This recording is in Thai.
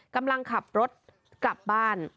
กำลังขับรถกลับบ้าน